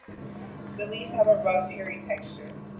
The leaves have a rough, hairy texture.